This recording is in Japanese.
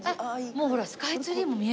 もうほらスカイツリーも見える。